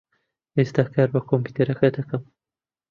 ئێستا کار بە کۆمپیوتەرەکە دەکەم.